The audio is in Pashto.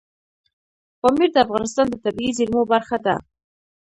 پامیر د افغانستان د طبیعي زیرمو برخه ده.